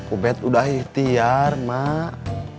ubet udah ikhtiar mak